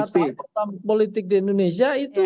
partai politik di indonesia itu